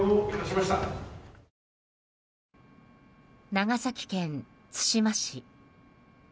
長崎県対馬市。